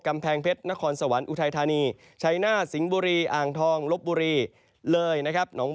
กำแพงเพชรนครสวรรค์อุทัยธานีชัยหน้าสิงห์บุรีอ่างทองลบบุรีเลยนะครับ